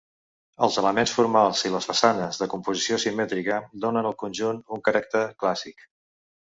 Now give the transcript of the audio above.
Els elements formals i les façanes de composició simètrica donen el conjunt un caràcter clàssic.